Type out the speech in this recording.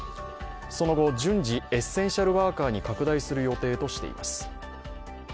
その後、順次エッセンシャルワーカーに拡大する予定としています。